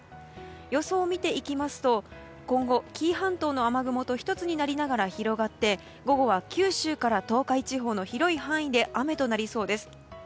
予想を見ていきますと今後、紀伊半島の雨雲と１つになりながら広がって午後は九州から東海地方の広い範囲で雨となりそうです。